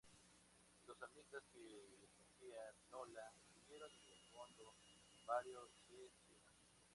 Los samnitas, que defendían Nola, estuvieron en el bando de Mario y de Cinna.